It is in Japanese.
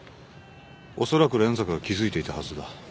おそらく連崎は気付いていたはずだ。